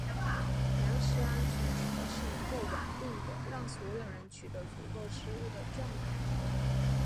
粮食安全指的是能够稳定地让所有人取得足够食物的状态。